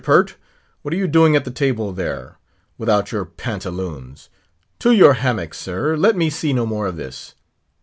Pert, what are you doing at the table there, without your pantaloons? To your hammock, sir. Let me see no more of this.